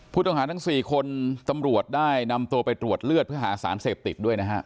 ผู้ต้องหาทั้ง๔คนตำรวจได้นำตัวไปตรวจเลือดเพื่อหาสารเสพติดด้วยนะฮะ